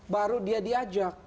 baru dia diajak